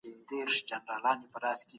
په پښتو کي د ښځي مقام ډېر محترم دی